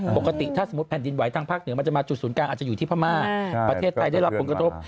ปกติถ้าสมมุติแผ่นดินไหวทางภาคเหนือมันจะมาจุดศูนย์กลางอาจจะอยู่ที่พม่าประเทศไทยได้รับผลกระทบ